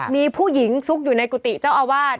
มีผู้หญิงซุกอยู่ในกุฏิเจ้าอาวาส